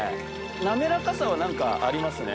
滑らかさはありますね。